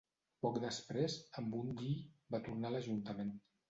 Poc després, Ambundii va tornar a l'ajuntament.